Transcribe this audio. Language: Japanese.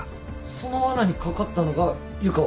そのわなに掛かったのが湯川。